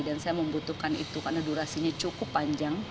dan saya membutuhkan itu karena durasinya cukup panjang